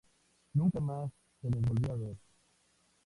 Nunca más se les volvió a ver.